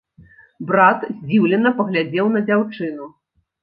Брат здзіўлена паглядзеў на дзяўчыну.